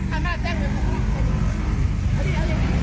ถ่ายไปเลย